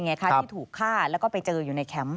ที่ถูกฆ่าแล้วก็ไปเจออยู่ในแคมป์